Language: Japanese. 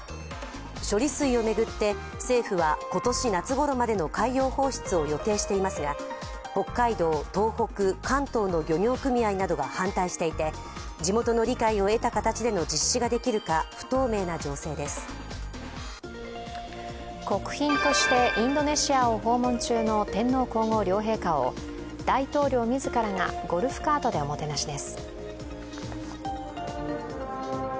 処理水を巡って政府は今年夏ごろまでの海洋放出を予定していますが北海道、東北、関東の漁業組合などが反対していて地元の理解を得た形での実施ができるか国賓としてインドネシアを訪問中の天皇皇后両陛下を大統領自らがゴルフカートでおもてなしです。